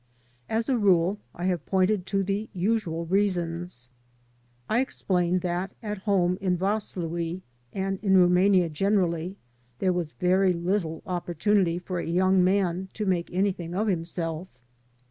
As a rule, I have pointed to the usual reasons. I explained that at home in Vaslui, and in Rumania generally, there was very little opportunity for a young man to make anything of himself.